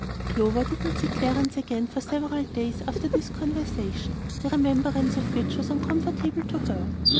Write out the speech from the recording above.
Clover did not see Clarence again for several days after this conversation, the remembrance of which was uncomfortable to her.